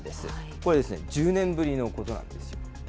これ１０年ぶりのことなんですよ。